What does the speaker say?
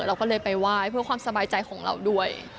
เราก็เลยไปไหว้เพื่อความสบายใจของเราด้วย